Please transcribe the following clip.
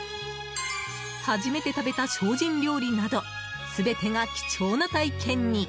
初めて食べた精進料理など全てが貴重な体験に。